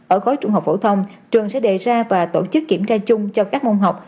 ở khối trung học phổ thông trường sẽ đề ra và tổ chức kiểm tra chung cho các môn học